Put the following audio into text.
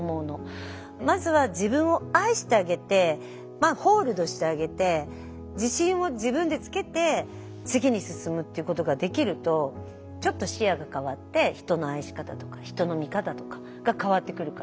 まずは自分を愛してあげてホールドしてあげて自信を自分でつけて次に進むっていうことができるとちょっと視野が変わって人の愛し方とか人の見方とかが変わってくるから。